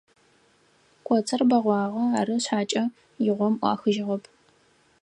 Коцыр бэгъуагъэ, ары шъхьакӏэ игъом ӏуахыжьыгъэп.